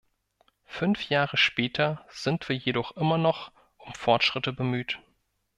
Fünf Jahre später sind wir jedoch immer noch um Fortschritte bemüht.